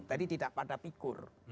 tadi tidak pada pikur